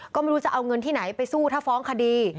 ก็ไม่รู้จะเอาเงินที่ไหนไปสู้ถ้าฟ้องคดี